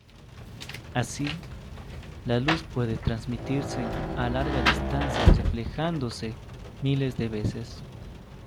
Así, la luz puede transmitirse a larga distancia reflejándose miles de veces.